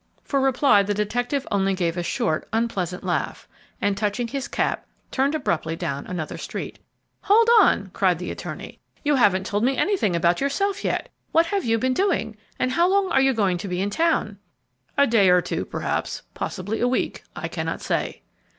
For reply the detective only gave a short, unpleasant laugh, and, touching his cap, turned abruptly down another street. "Hold on!" cried the attorney; "you haven't told me anything about yourself yet. What have you been doing? and how long are you going to be in town?" "A day or two, perhaps, possibly a week; I cannot say."